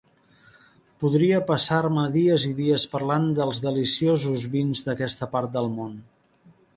Podria passar-me dies i dies parlant dels deliciosos vins d'aquesta part del món.